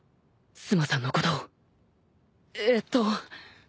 須磨さんのことをええと。